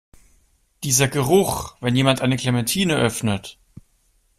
Dieser Geruch, wenn jemand eine Clementine öffnet!